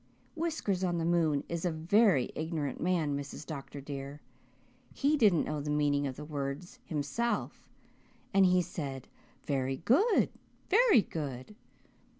Whiskers on the moon is a very ignorant man, Mrs. Dr. dear; he didn't know the meaning of the words himself, and he said 'Very good very good.'